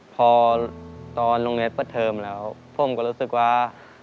พอตอนโรงเรียนเปิดเทอมแล้วผมก็รู้สึกว่า